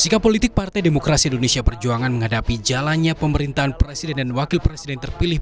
sikap politik partai demokrasi indonesia perjuangan menghadapi jalannya pemerintahan presiden dan wakil presiden terpilih